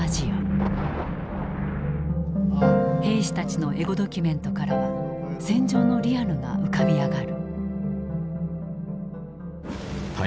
兵士たちのエゴドキュメントからは戦場のリアルが浮かび上がる。